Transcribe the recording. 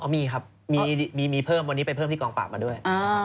มีครับมีเพิ่มวันนี้ไปเพิ่มที่กองปราบมาด้วย